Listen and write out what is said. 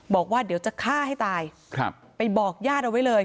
บอกว่าเดี๋ยวจะฆ่าให้ตายไปบอกญาติเอาไว้เลย